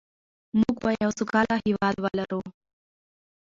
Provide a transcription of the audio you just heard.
موږ به یو سوکاله هېواد ولرو.